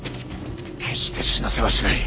決して死なせはしない。